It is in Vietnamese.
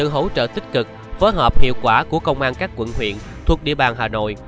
hỗ trợ tích cực phối hợp hiệu quả của công an các quận huyện thuộc địa bàn hà nội